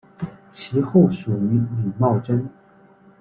其后属于李茂贞。